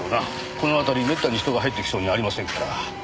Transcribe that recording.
この辺りめったに人が入ってきそうにありませんから。